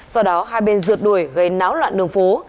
do đó hai bên rượt đuổi gây náo loạn đường phố